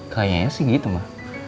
kayaknya sih gitu ma